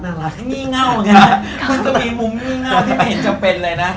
มันก็มีมุมนี่เง่าที่ไม่เห็นจะเป็นเลยนะ